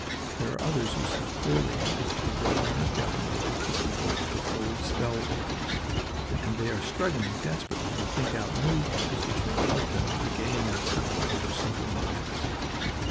There are others who see clearly enough that they cannot govern or dupe the people with old spell words, and they are struggling desperately to think out new words which may help them to regain their power over simple minds.